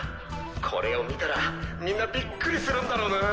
これを見たらみんなびっくりするんだろうな。